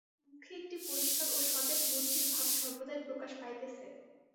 মুখে একটি পরিষ্কার ও সতেজ বুদ্ধির ভাব সর্বদাই প্রকাশ পাইতেছে।